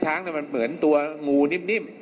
ช้างมันเหมือนตัวงูนิ่ม